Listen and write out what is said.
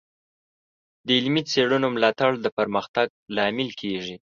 د علمي څیړنو ملاتړ د پرمختګ لامل کیږي.